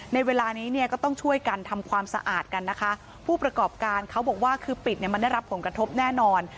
ในเวลานี้เนี่ยก็ต้องช่วยกันทำความสะอาดกันนะคะผู้ประกอบการเขาบอกว่าคือปิดเนี่ยมันได้รับผลกระทบแน่นอน